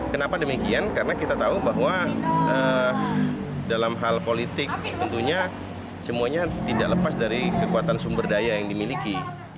kenapa demikian karena kita tahu bahwa dalam hal politik tentunya semuanya tidak lepas dari kekuatan sumber daya yang dimiliki